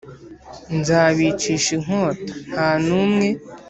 Nzabicisha inkota nta n umwe